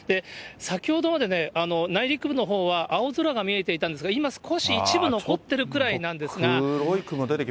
先ほどまで、内陸部のほうは青空が見えていたんですが、今、少し一部残ってるくらいなんですが。